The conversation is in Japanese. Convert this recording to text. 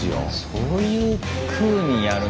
そういうふうにやる。